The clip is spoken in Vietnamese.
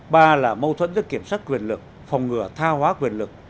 ba là mâu thuẫn giữa kiểm soát quyền lực phòng ngừa tha hóa quyền lực